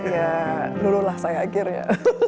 ya lululah saya akhirnya